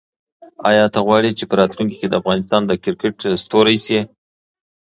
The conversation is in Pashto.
آیا ته غواړې چې په راتلونکي کې د افغانستان د کرکټ ستوری شې؟